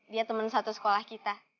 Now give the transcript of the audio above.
dia teman satu sekolah kita